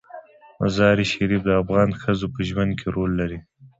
مزارشریف د افغان ښځو په ژوند کې رول لري.